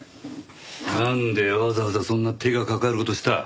なんでわざわざそんな手が掛かる事した？